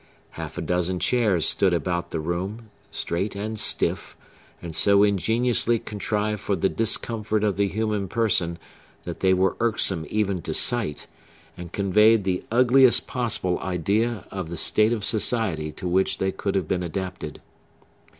Half a dozen chairs stood about the room, straight and stiff, and so ingeniously contrived for the discomfort of the human person that they were irksome even to sight, and conveyed the ugliest possible idea of the state of society to which they could have been adapted.